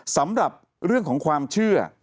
สำหรับเรื่องของความเชื่อ